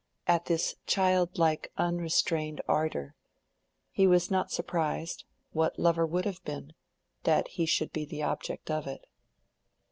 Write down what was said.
at this childlike unrestrained ardor: he was not surprised (what lover would have been?) that he should be the object of it.